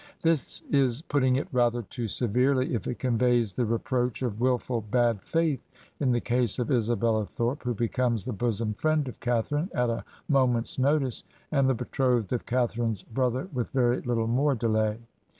This is putting it rather too severely if it conveys the re^ proach of wilful bad faith in the case of Isabella Thorp, who becomes the bosom friend of Catharine at a mo ment's notice, and the betrothed of Catharine's brother with very Httle more delay.